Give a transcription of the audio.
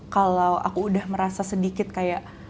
kalau aku udah merasa sedikit kayak